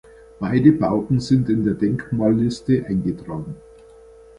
Beide Bauten sind in der Denkmalliste eingetragen.